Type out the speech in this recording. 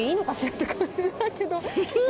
って感じだけど。